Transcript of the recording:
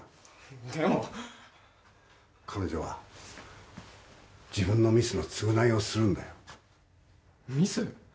でも彼女は自分のミスの償いをするんだよミス？